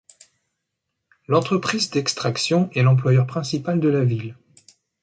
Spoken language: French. L'entreprise d'extraction est l'employeur principal de la ville.